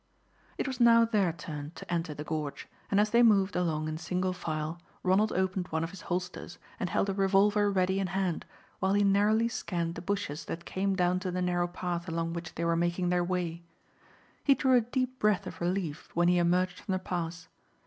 It was now their turn to enter the gorge, and as they moved along in single file, Ronald opened one of his holsters and held a revolver ready in hand, while he narrowly scanned the bushes that came down to the narrow path along which they were making their way. He drew a deep breath of relief when he emerged from the pass.